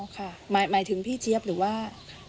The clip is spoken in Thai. ค่ะหมายถึงพี่เจี๊ยบหรือว่า